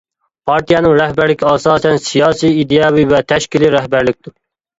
پارتىيەنىڭ رەھبەرلىكى ئاساسەن سىياسىي، ئىدىيەۋى ۋە تەشكىلىي رەھبەرلىكتۇر.